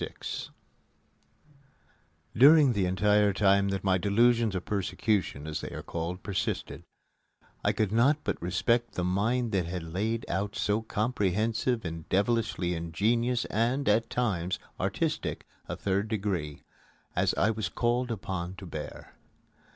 VI During the entire time that my delusions of persecution, as they are called, persisted, I could not but respect the mind that had laid out so comprehensive and devilishly ingenious and, at times, artistic a Third Degree as I was called upon to bear.